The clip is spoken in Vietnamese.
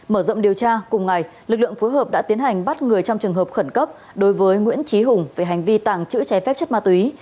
mở rộng điều tra cùng ngày lực lượng phối hợp đã tiến hành bắt người trong trường hợp khẩn cấp đối với nguyễn trí hùng về hành vi tàng trữ trái phép chất ma túy